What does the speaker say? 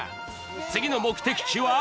次の目的地は。